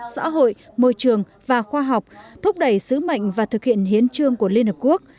xã hội môi trường và khoa học thúc đẩy sứ mệnh và thực hiện hiến trương của liên hợp quốc